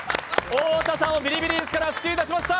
太田さんをビリビリ椅子から救い出しました。